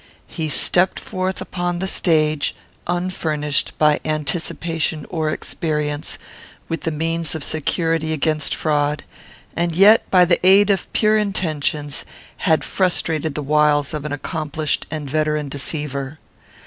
He stepped forth upon the stage, unfurnished, by anticipation or experience, with the means of security against fraud; and yet, by the aid of pure intentions, had frustrated the wiles of an accomplished and veteran deceiver.